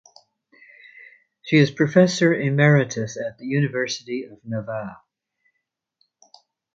She is Professor Emeritus at the University of Navarre.